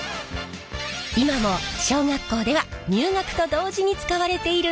今も小学校では入学と同時に使われているのが鉛筆。